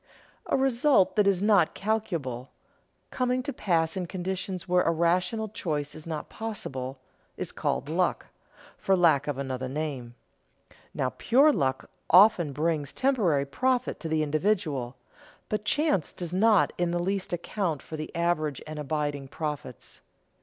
A result that is not calculable, coming to pass in conditions where a rational choice is not possible, is called luck, for lack of another name. Now pure luck often brings temporary profit to the individual, but chance does not in the least account for the average and abiding profits.